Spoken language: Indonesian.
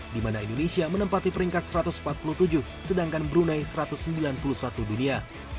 di mana indonesia menempati peringkat satu ratus empat puluh tujuh sedangkan brunei satu ratus sembilan puluh satu dunia